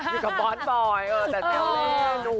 อยู่กับบอสบอย